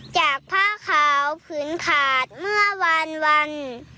ผ้าขาวผืนขาดเมื่อวานวัน